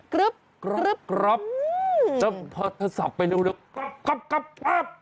กรึ๊บกรึ๊บกรึ๊บถ้าสับไปเร็วกรับ